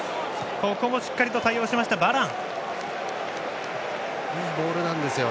ここもしっかり対応したバラン。